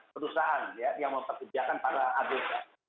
perusahaan yang memperkerjakan para abk